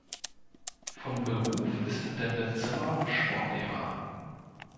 Von Beruf ist Detlef Zimmer Sportlehrer.